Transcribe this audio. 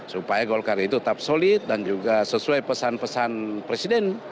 supaya golkar itu tetap solid dan juga sesuai pesan pesan presiden